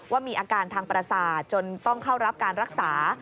ว่ามีอาการทางประสาทจนต้องเข้ารับการรักษา